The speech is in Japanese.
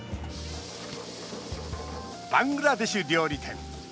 バングラデシュ料理店。